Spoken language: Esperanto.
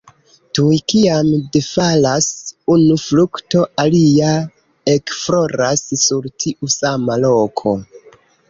Tuj kiam defalas unu frukto, alia ekfloras sur tiu sama loko.